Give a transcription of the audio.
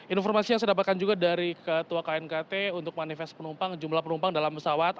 informasi yang saya dapatkan juga dari ketua knkt untuk manifest penumpang jumlah penumpang dalam pesawat